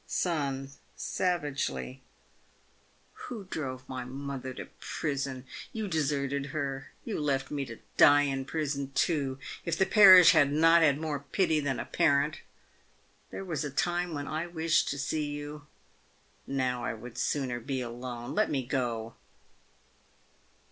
Son (savagely). Who drove my mother to prison? You deserted her. You left me to die in prison, too, if the parish had not had more pity than a parent. There was a time when I wished to see you. Now I would sooner be alone. Let me go.